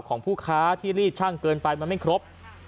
ของผู้ค้าที่รีดช่างเกินไปมันไม่ครบ